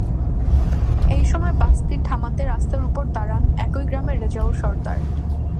এ সময় বাসটি থামাতে রাস্তার ওপর দাঁড়ান একই গ্রামের রেজাউল সর্দার।